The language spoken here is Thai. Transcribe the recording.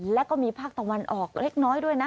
แล้วก็มีภาคตะวันออกเล็กน้อยด้วยนะ